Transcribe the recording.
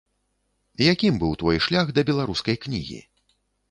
Якім быў твой шлях да беларускай кнігі?